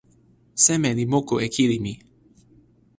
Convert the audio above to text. seme li moku e kili mi?